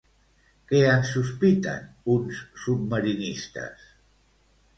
Què en sospiten uns submarinistes?